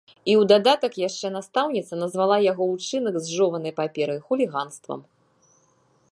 І ў дадатак яшчэ настаўніца назвала яго ўчынак з жованай паперай хуліганствам.